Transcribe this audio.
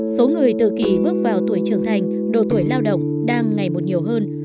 số người tự kỳ bước vào tuổi trưởng thành độ tuổi lao động đang ngày một nhiều hơn